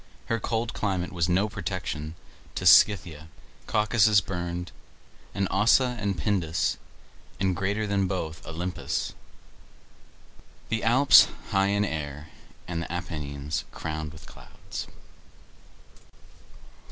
Her cold climate was no protection to Scythia, Caucasus burned, and Ossa and Pindus, and, greater than both, Olympus; the Alps high in air, and the Apennines crowned with clouds.